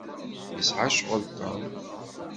Yesɛa ccɣel Tom.